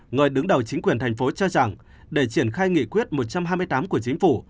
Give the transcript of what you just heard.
người đứng đầu chính quyền thành phố cho rằng để triển khai nghị quyết một trăm hai mươi tám của chính phủ